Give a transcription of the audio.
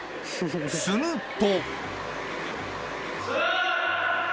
すると。